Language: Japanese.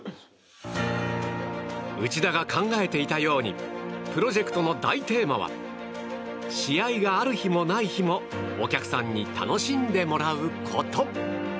内田が考えていたようにプロジェクトの大テーマは試合がある日もない日もお客さんに楽しんでもらうこと。